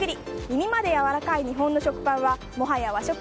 耳までやわらかい日本の食パンはもはや和食？